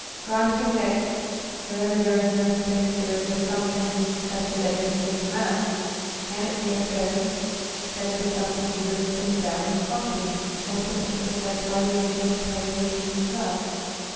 Granting that wherever there is an instinct there exists something such as that instinct demands, can it be affirmed that this something exists in boundless quantity, or sufficient to satisfy the infinite craving of human desires?